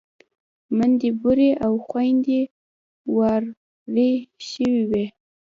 ميندې بورې او خويندې ورارې شوې وې.